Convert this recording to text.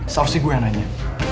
seharusnya gue yang nanya